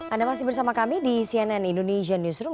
anda masih bersama kami di cnn indonesia newsroom